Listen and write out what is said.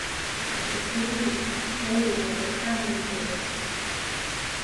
But the sleeves — they were the crowning glory!